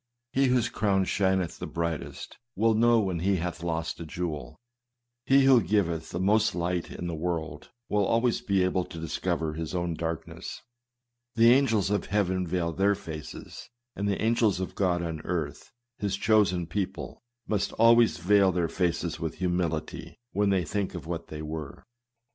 He whose crown shineth the brightest, will know when he hath lost a jewel. He who giveth the most light to the world, will always be able to discover his own darkness. The angels of heaven veil their faces; and the angels of God on earth, his chosen people, must always veil their faces with humility, when they think of what they were.